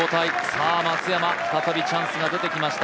さあ松山、再びチャンスが出てきました。